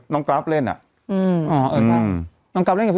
น้องกรัฟเล่นกับพี่สิงห์